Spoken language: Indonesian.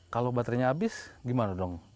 kalau baterainya habis gimana dong